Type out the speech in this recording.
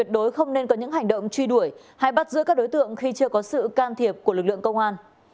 đối không nên có những hành động truy đuổi hay bắt giữ các đối tượng khi chưa có sự can thiệp của lực lượng công an